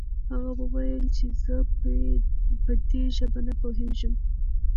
هغه وويل چې زه په دې ژبه نه پوهېږم.